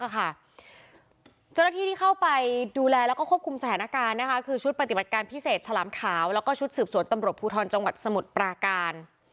เจ้าหน้าที่ที่เข้าไปดูแลแล้วก็ควบคุมสถานการณ์คือชุดปฏิบัติการพิเศษฉลามขาวแล้วก็ชุดสืบสวนตำรวจภูทรจังหวัดสมุทรปราการ